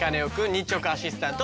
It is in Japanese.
日直アシスタント